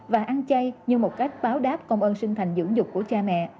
và ăn chay như một cách báo đáp công ơn sinh thành dưỡng dục của cha mẹ